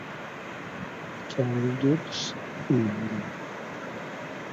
Childhood's End